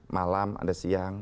malam ada siang